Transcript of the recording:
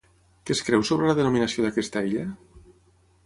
Què es creu sobre la denominació d'aquesta illa?